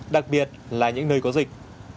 đặc biệt là những nơi có dịch